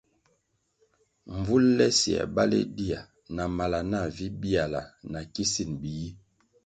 Mvul le siē baleh dia na mala nah vi biala na kisin biyi.